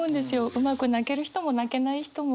うまく泣ける人も泣けない人も。